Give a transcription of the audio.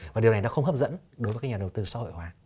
và điều này nó không hấp dẫn đối với các nhà đầu tư xã hội hóa